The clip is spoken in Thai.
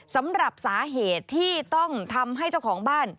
สำหรับสาเหตุที่ต้องทำให้เจ้าของบ้าน